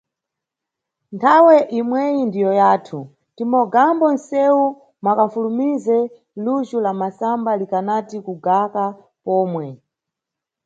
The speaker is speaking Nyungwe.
Nthawe imweyi ndiyo yathu timʼmogambo nʼsewu mwakanʼfulumize lujhu la masamba likanati kugaka pomwe.